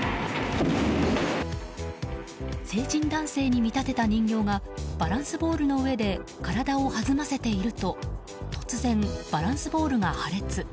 成人男性に見立てた人形がバランスボールの上で体を弾ませていると突然バランスボールが破裂。